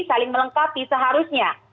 saling melengkapi seharusnya